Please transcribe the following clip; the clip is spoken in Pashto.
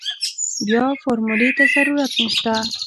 بيا فارمولې ته ضرورت نشته.